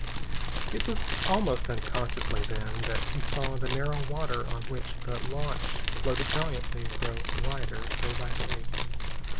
It was almost unconsciously, then, that he saw the narrow water on which the launch floated valiantly grow wider day by day.